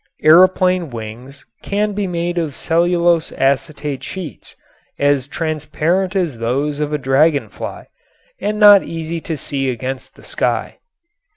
Aeroplane wings can be made of cellulose acetate sheets as transparent as those of a dragon fly and not easy to see against the sky.